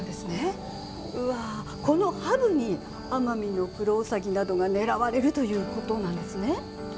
このハブにアマミノクロウサギなどが狙われるということなんですね。